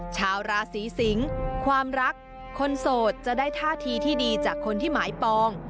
ชาวราศีสิงความรักคนโสดจะได้ท่าทีที่ดีจากคนที่หมายปอง